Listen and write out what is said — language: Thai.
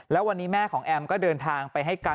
แล้ววันนี้แม่ของแอมก็เดินทางไปให้การ